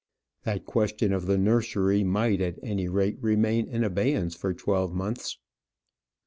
That question of the nursery might, at any rate, remain in abeyance for twelve months.